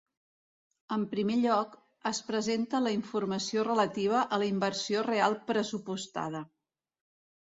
En primer lloc, es presenta la informació relativa a la inversió real pressupostada.